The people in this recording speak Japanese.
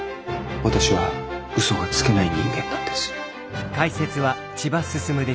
私は嘘がつけない人間なんです。